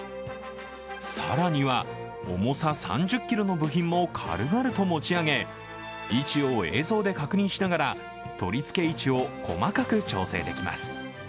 更には、重さ３０ｋｇの部品も軽々と持ち上げ位置を映像で確認しながら取り付け位置を細かく調整できます。